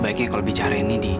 pergi kamu dari sini